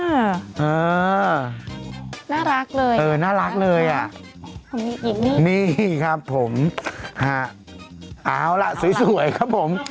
เออน่ารักเลยเออน่ารักเลยอ่ะมีอีกนี่นี่ครับผมฮะเอาล่ะสวยสวยครับผม